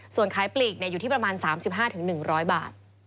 ส่วนขายปลีกอยู่ที่ประมาณ๓๕๑๐๐บาท